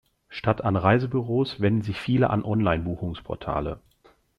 Statt an Reisebüros wenden sich viele an Online-Buchungsportale.